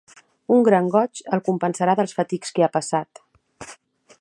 Un gran goig el compensarà dels fatics que ha passat.